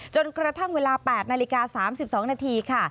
จนกระทั่งเวลา๘นาฬิกา๓๒นาทีค่ะ